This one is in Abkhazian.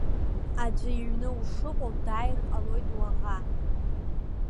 Аӡәы иҩны ушыҟоу дааир ҟалоит уаӷа.